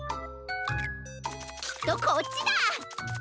きっとこっちだ！